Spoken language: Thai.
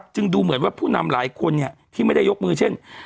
ดูเหมือนว่าผู้นำหลายคนที่ไม่ได้ยกมือเช่น